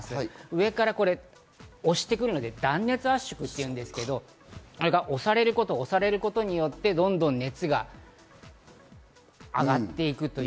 上から押してくるので断熱圧縮というのですが、押されることによって、どんどん熱が上がっていく。